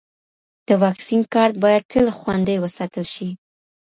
د واکسین کارت باید تل خوندي وساتل شي.